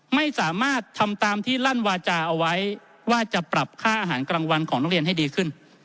ไม่สามารถทำตามที่ลั่นวาจาเอาไว้ว่าจะปรับค่าอาหารกลางวันของนักเรียนให้ดีขึ้น